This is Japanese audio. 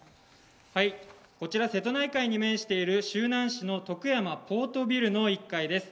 こちら瀬戸内海に面している周南市の徳山ポートビルの１階です。